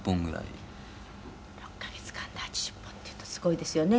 黒柳：６カ月間で８０本っていうと、すごいですよね。